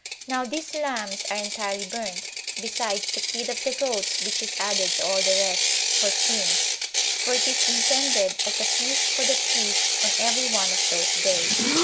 Now these lambs are entirely burnt, besides the kid of the goats which is added to all the rest, for sins; for it is intended as a feast for the priest on every one of those days.